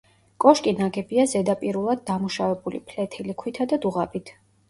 კოშკი ნაგებია ზედაპირულად დამუშავებული ფლეთილი ქვითა და დუღაბით.